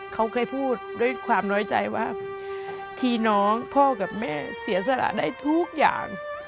เขาเคยพูดด้วยความน้อยใจว่าที่น้องพ่อกับแม่เสียสละได้ทุกอย่าง